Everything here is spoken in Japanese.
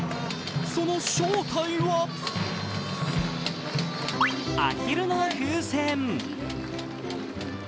その正体はアヒルの風船。